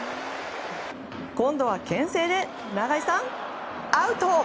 今度は牽制で長井さん、アウト。